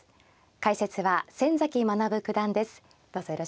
解説は先崎学九段です。